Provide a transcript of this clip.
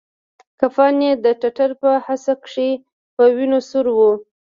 کفن يې د ټټر په حصه کښې په وينو سور و.